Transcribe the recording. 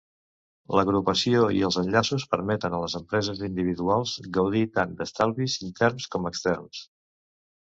L'agrupació i els enllaços permeten a les empreses individuals gaudir tant d'estalvis interns com externs.